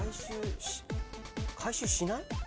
回収しない？